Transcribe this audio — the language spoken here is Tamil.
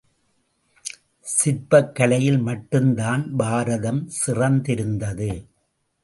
சிற்பக் கலையில் மட்டும்தான் பாரதம் சிறத்திருந்தது.